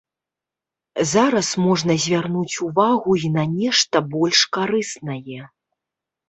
Зараз можна звярнуць увагу і на нешта больш карыснае.